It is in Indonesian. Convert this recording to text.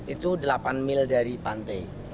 itu delapan mil dari pantai